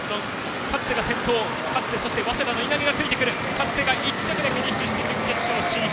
勝瀬、１着でフィニッシュして準決勝進出。